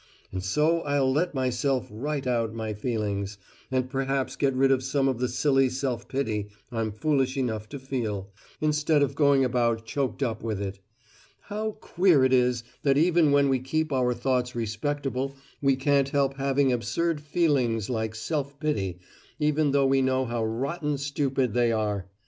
And so I'll let myself write out my feelings and perhaps get rid of some of the silly self pity I'm foolish enough to feel, instead of going about choked up with it. How queer it is that even when we keep our thoughts respectable we can't help having absurd feelings like self pity, even though we know how rotten stupid they are!